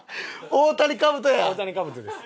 大谷カブトです。